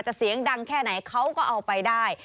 เสียงดังแค่ไหนเขาก็เอาไปได้